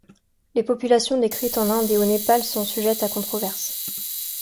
Les populations décrites en Inde et au Népal sont sujettes à controverses.